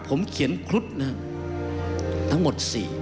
ผมเขียนครุฑทั้งหมด๔